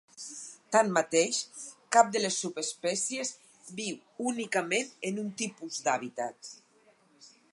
Tanmateix, cap de les subespècies viu únicament en un tipus d'hàbitat.